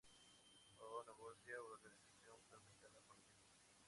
Todo negocio u organización fue afectado por la misma.